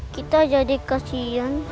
kita jadi kesian